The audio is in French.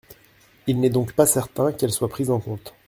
Il n’est donc pas certains qu’elles soient prises en compte.